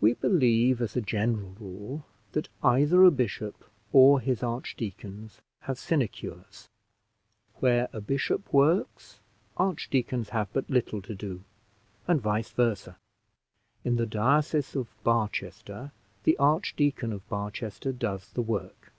We believe, as a general rule, that either a bishop or his archdeacons have sinecures: where a bishop works, archdeacons have but little to do, and vice versa. In the diocese of Barchester the Archdeacon of Barchester does the work.